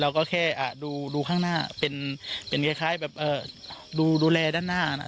เราก็แค่อ่ะดูดูข้างหน้าเป็นเป็นคล้ายคล้ายแบบเอ่อดูดูแลด้านหน้านะ